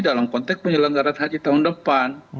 dalam konteks penyelenggaran haji tahun depan